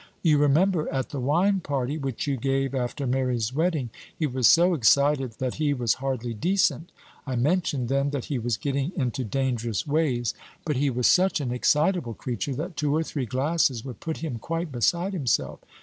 You remember, at the wine party which you gave after Mary's wedding, he was so excited that he was hardly decent. I mentioned then that he was getting into dangerous ways. But he was such an excitable creature, that two or three glasses would put him quite beside himself.